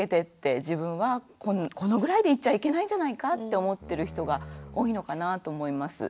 自分はこのぐらいで言っちゃいけないんじゃないかって思ってる人が多いのかなと思います。